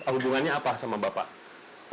hubungannya apa sama bapak